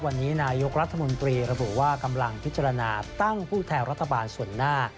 วันนี้นายกรัฐมนตรีระบุว่ากำลังพิจารณาตั้งผู้แทนรัฐบาลส่วนหน้า